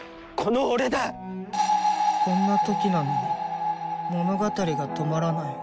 こんな時なのに物語が止まらない。